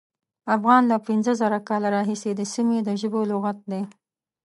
افغان له پینځه زره کاله راهیسې د سیمې د ژبو لغت دی.